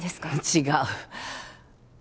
違う。